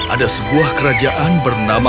ada sebuah kerajaan bernama